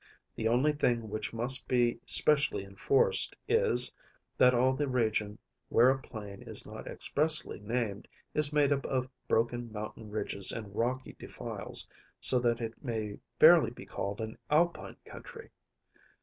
The only thing which must be specially enforced is, that all the region where a plain is not expressly named is made up of broken mountain ridges and rocky defiles, so that it may fairly be called an alpine country.